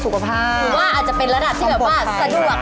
คือว่าอาจจะเป็นระดับที่แบบว่า